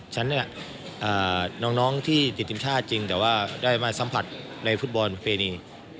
ฉะนั้นน้องที่ดินติมชาติจริงแต่ว่าได้มาสัมผัสในฟุตบอลประเพณี